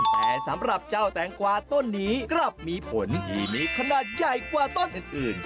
แต่สำหรับเจ้าแตงกวาต้นนี้กลับมีผลที่มีขนาดใหญ่กว่าต้นอื่น